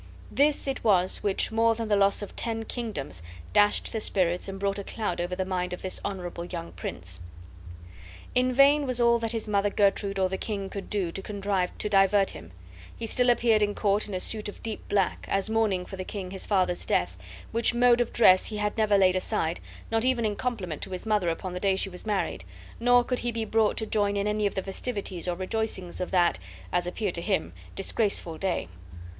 This it was which more than the loss of ten kingdoms dashed the spirits and brought a cloud over the mind of this honorable young prince. In vain was all that his mother Gertrude or the king could do to contrive to divert him; he still appeared in court in a suit of deep black, as mourning for the king his father's death, which mode of dress he had never laid aside, not even in compliment to his mother upon the day she was married, nor could he be brought to join in any of the festivities or rejoicings of that (as appeared to him) disgraceful day.